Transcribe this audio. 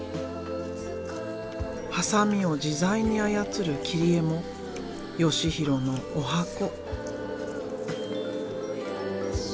ハサミを自在に操る「切り絵」も義紘のおはこ。